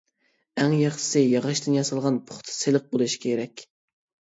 ئەڭ ياخشىسى ياغاچتىن ياسالغان، پۇختا، سىلىق بولۇشى كېرەك.